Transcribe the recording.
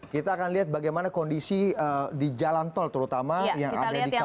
kita akan lihat bagaimana kondisi di jalan tol terutama yang ada di kota